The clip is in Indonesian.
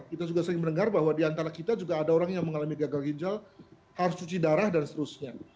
kita juga sering mendengar bahwa diantara kita juga ada orang yang mengalami gagal ginjal harus cuci darah dan seterusnya